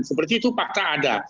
seperti itu pakca ada